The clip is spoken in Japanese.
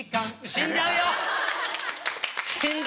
死んじゃう！